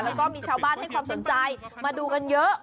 แล้วก็มีชาวบ้านให้ความสนใจมาดูกันเยอะ